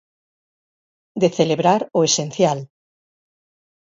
De celebrar o esencial.